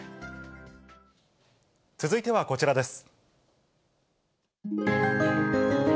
続いてはこちらです。